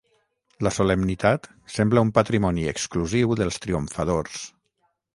La solemnitat sembla un patrimoni exclusiu dels triomfadors.